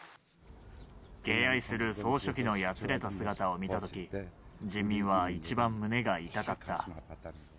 敬愛する総書記のやつれた姿を見たとき、人民は一番胸が痛かった。